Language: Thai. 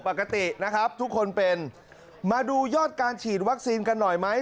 ปกตินะครับทุกคนเป็นมาดูยอดการฉีดวัคซีนกันหน่อยไหม